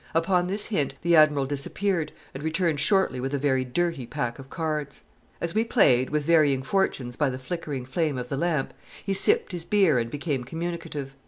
Upon this hint the Admiral disappeared, and returned shortly with a very dirty pack of cards. As we played, with varying fortunes, by the flickering flame of the lamp, he sipped his beer and became communicative.